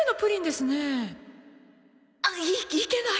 いいけない！